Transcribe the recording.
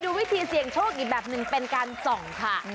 วิธีเสี่ยงโชคอีกแบบหนึ่งเป็นการส่องค่ะ